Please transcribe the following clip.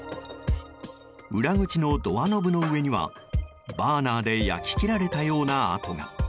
裏口のドアノブの上にはバーナーで焼き切られたような跡が。